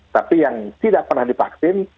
tapi yang tidak pernah divaksin